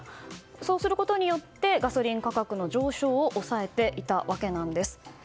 そうすることによってガソリン価格の上昇を抑えていたわけなんです。